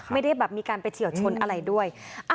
ไม่ได้แบบมีการไปเฉียวชนอะไรด้วย